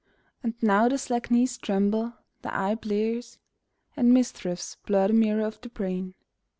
And now the slack knees tremble, the eye blears, And mist wreaths blur the mirror of the brain.